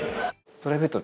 プライベート